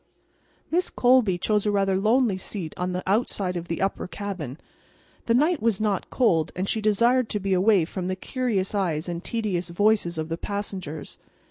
Miss Colby chose a rather lonely seat on the outside of the upper cabin. The night was not cold, and she desired to be away from the curious eyes and tedious voices of the passengers.